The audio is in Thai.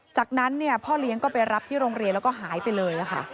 จากนั้นพ่อเลี้ยงก็ไปรับที่โรงเรียนแล้วก็หายไปเลยค่ะ